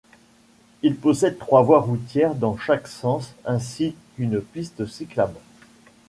Il possède trois voies routières dans chaque sens ainsi qu'une piste cyclable.